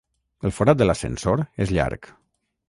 El forat de l'ascensor és llarg.